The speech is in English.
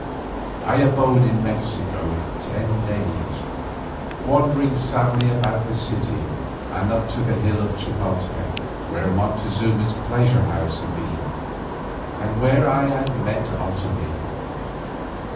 I abode in Mexico ten days, wandering sadly about the city and up to the hill of Chapoltepec, where Montezuma's pleasure house had been, and where I had met Otomie.